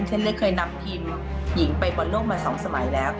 เล็กเคยนำทีมหญิงไปบอลโลกมา๒สมัยแล้ว